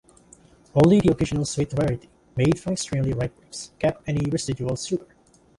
Only the occasional sweet rarity, made from extremely ripe grapes, kept any residual sugar.